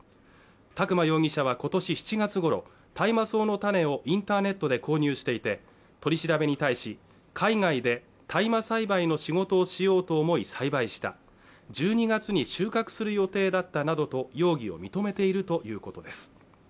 宅間容疑者は今年７月頃大麻草の種をインターネットで購入していて取り調べに対し海外で大麻栽培の仕事をしようと思い栽培した１２月に収穫する予定だったなどと容疑を認めているということです